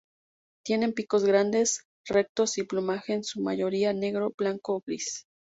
Tienen picos grandes, rectos, y plumaje en su mayoría negro, blanco o gris.